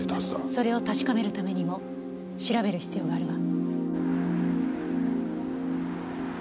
それを確かめるためにも調べる必要があるわ。